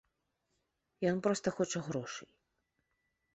Ён проста хоча грошай.